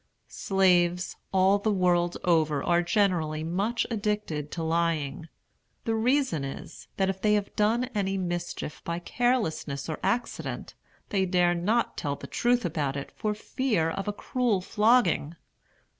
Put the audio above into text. Slaves, all the world over, are generally much addicted to lying. The reason is, that if they have done any mischief by carelessness or accident, they dare not tell the truth about it for fear of a cruel flogging.